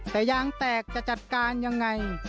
แต่ยางแตกจะจัดการยังไง